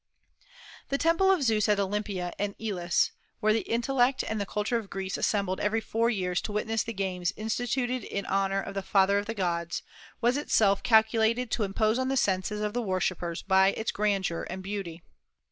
The temple of Zeus at Olympia in Elis, where the intellect and the culture of Greece assembled every four years to witness the games instituted in honor of the Father of the gods, was itself calculated to impose on the senses of the worshippers by its grandeur and beauty.